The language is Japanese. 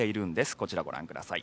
こちら、ご覧ください。